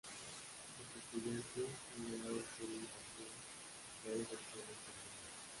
Los estudiantes, liderados por Cartman y Craig, responden con burlas.